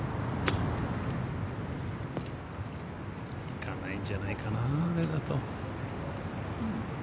いかないんじゃないかなぁあれだと。